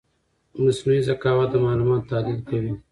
مصنوعي ذکاوت د معلوماتو تحلیل کوي.